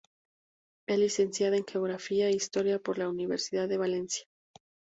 Es Licenciada en Geografía e Historia por la Universidad de Valencia.